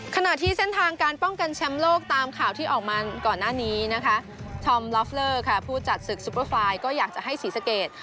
ขณะที่เส้นทางการป้องกันแชมป์โลกตามข่าวที่ออกมาก่อนหน้านี้นะคะทอมลอฟเลอร์ค่ะผู้จัดศึกซุปเปอร์ไฟล์ก็อยากจะให้ศรีสะเกด